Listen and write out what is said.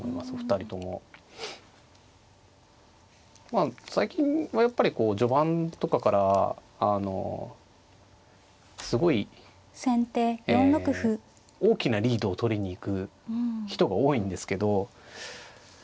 まあ最近はやっぱり序盤とかからすごいえ大きなリードを取りに行く人が多いんですけどまあ